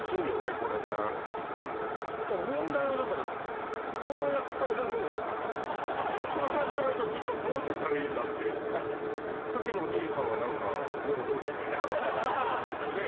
これねただ問題はだからこれをやってる間もうこれをやってる間ずっとどうしてたらいいんだっていうねさっきのお兄さんは何か目を閉じてねえ